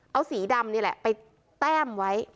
เอาสีดำนี่แหละไปแต้มไว้